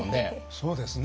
そうですね。